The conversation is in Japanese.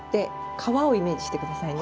川をイメージしてくださいね。